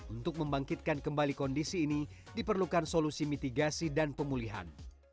untuk membangkitkan kembali kondisi ini diperlukan solusi mitigasi dan pemulihan